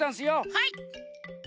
はい！